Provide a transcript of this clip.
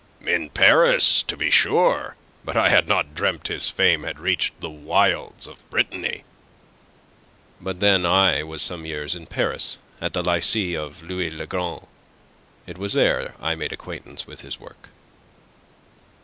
"In Paris, to be sure. But I had not dreamt his fame had reached the wilds of Brittany." "But then I was some years in Paris at the Lycee of Louis le Grand. It was there I made acquaintance with his work."